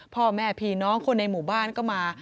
พ่อแม่พี่น้องคนในหมู่บ้านก็มา